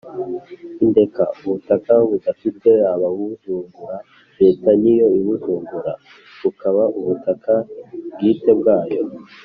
Indeka: ubutaka budafite ababuzungura. Leta ni yo ibuzungura bukaba ubutaka bwite bwayo;